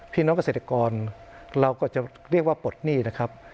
พี่น้องเกษตรกรเราก็จะเรียกว่าปลดหนี้นะครับ